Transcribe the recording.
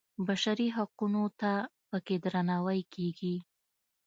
بشري حقونو ته په کې درناوی کېږي.